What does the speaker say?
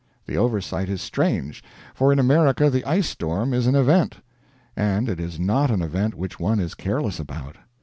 The oversight is strange, for in America the ice storm is an event. And it is not an event which one is careless about.